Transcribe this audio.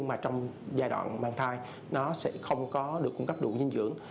mà trong giai đoạn mang thai nó sẽ không có được cung cấp đủ dinh dưỡng